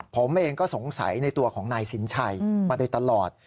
ผมเองก็สงสัยในตัวของนายสินชัยมาโดยตลอด